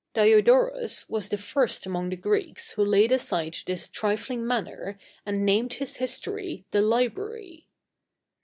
Diodorus was the first among the Greeks who laid aside this trifling manner and named his history The Library.